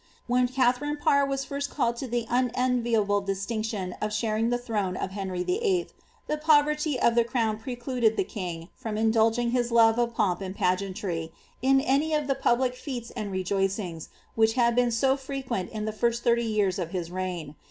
V¥hen Katharine Parr was first called to the unenviable distindion of sharing the throne of Henry VIII., the poverty of the crown precluded tiie king from indulging his love of pomp and pageantry, in any of the public f^tes and rejoicings which had been so fre(}nent in the first thirty years of his reign.